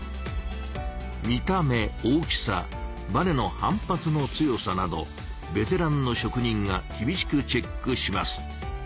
見た目大きさバネの反発の強さなどベテランの職人がきびしくチェックします。